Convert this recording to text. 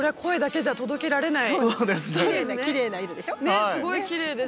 ねっすごいきれいです。